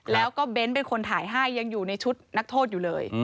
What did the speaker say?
แล้วก็เบ้นเป็นคนถ่ายให้ยังอยู่ในชุดนักโทษอยู่เลย